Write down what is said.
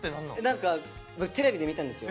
何かテレビで見たんですよ。